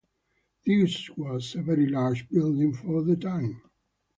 This was a very large building for the time.